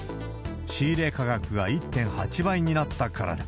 仕入れ価格が１．８倍になったからだ。